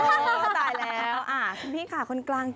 คุณพี่ค่ะคนกลาง